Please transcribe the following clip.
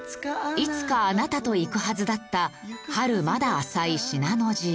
「いつかあなたと行くはずだった春まだ浅い信濃路へ」